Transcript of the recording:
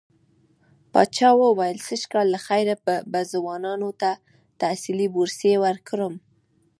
پاچا وويل سږ کال له خيره به ځوانانو ته تحصيلي بورسيې ورکړم.